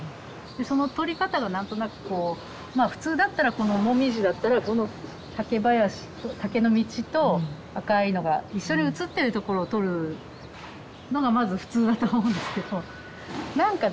その撮り方が何となくこうまあ普通だったらこの紅葉だったらこの竹林竹の道と赤いのが一緒に写ってるところを撮るのがまず普通だと思うんですけどなんかね